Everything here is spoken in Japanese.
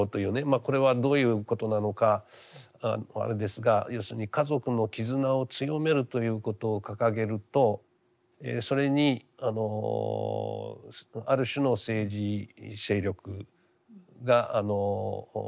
これはどういうことなのかあれですが要するに家族の絆を強めるということを掲げるとそれにある種の政治勢力が共鳴する。